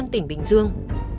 công an tỉnh bình dương